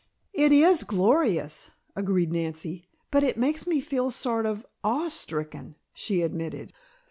"It is glorious," agreed Nancy. "But it makes me feel sort of awe stricken," she admitted.